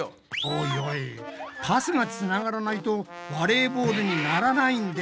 おいおいパスがつながらないとバレーボールにならないんですけど！